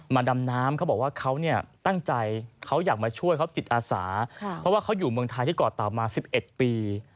ดำน้ำเขาบอกว่าเขาเนี่ยตั้งใจเขาอยากมาช่วยเขาจิตอาสาเพราะว่าเขาอยู่เมืองไทยที่ก่อเต่ามา๑๑ปี